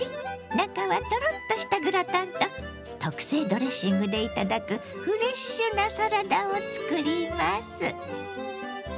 中はトロッとしたグラタンと特製ドレッシングで頂くフレッシュなサラダを作ります。